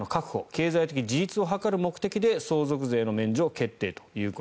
経済的自立を図る目的で相続税の免除を決定と。